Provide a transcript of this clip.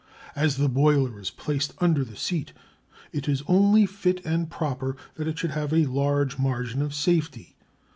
As the boiler is placed under the seat it is only fit and proper that it should have a large margin of safety.